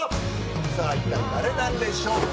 さぁ一体誰なんでしょうか？